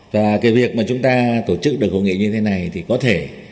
và cái việc mà chúng ta tổ chức được hội nghị như thế này thì có thể